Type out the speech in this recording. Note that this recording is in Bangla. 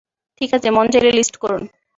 ঠিক আছে, মন চাইলে লিস্ট করুন!